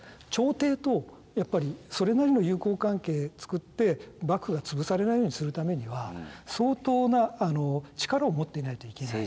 朝廷とやっぱりそれなりの友好関係つくって幕府が潰されないようにするためには相当な力を持っていないといけない。